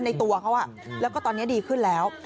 ในตัวเขาแล้วก็ตอนนี้ดีขึ้นแล้ว